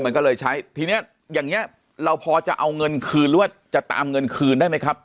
มันก็เลยใช้ทีเนี้ยอย่างเงี้ยเราพอจะเอาเงินคืนหรือว่าจะตามเงินคืนได้ไหมครับ